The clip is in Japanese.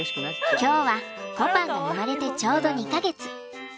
今日はこぱんが生まれてちょうど２か月。